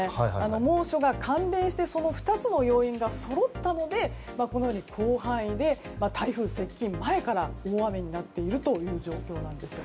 猛暑が関連して、２つの要因がそろったので、このように広範囲で台風接近前から大雨になっているという状況なんです。